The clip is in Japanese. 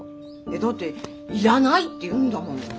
だっていらないって言うんだもん。